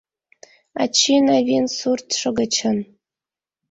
Ачин-авин суртшо гычын